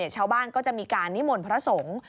ชาวบ้านก็จะมีการนิมนต์พระสงฆ์